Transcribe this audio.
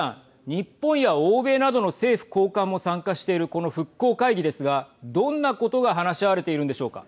日本や欧米などの政府高官も参加しているこの復興会議ですがどんなことが話し合われているんでしょうか。